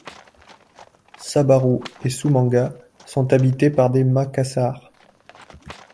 Sabaru et Sumanga’ sont habitées par des Makassar.